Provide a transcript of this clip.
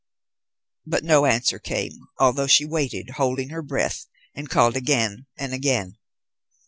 But no answer came, although she waited, holding her breath, and called again and again.